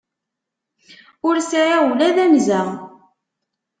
Ur sεiɣ ula d anza.